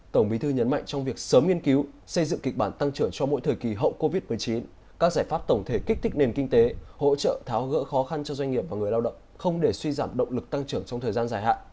tổng bí thư nhấn mạnh trong việc sớm nghiên cứu xây dựng kịch bản tăng trưởng cho mỗi thời kỳ hậu covid một mươi chín các giải pháp tổng thể kích thích nền kinh tế hỗ trợ tháo gỡ khó khăn cho doanh nghiệp và người lao động không để suy giảm động lực tăng trưởng trong thời gian dài hạn